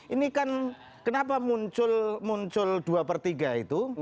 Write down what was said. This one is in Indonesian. ini kan kenapa muncul dua per tiga itu